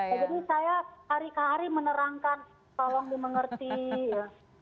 jadi saya hari hari menerangkan tolong dimengerti ya